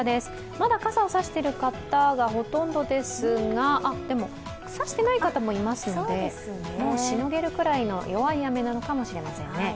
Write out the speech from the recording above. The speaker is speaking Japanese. まだ傘を差している方がほとんどですが、でも、差していない方もいますのでもうしのげるくらいの弱い雨なのかもしれませんね。